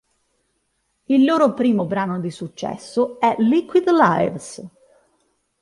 Il loro primo brano di successo è "Liquid Lives".